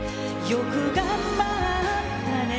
「よく頑張ったね」